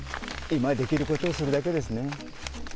今できることをするだけですね。